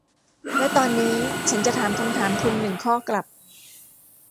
และตอนนี้ฉันจะถามคำถามคุณหนึ่งข้อกลับ